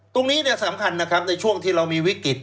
ตรงนี้สำคัญนะครับในช่วงที่เรามีวิกฤต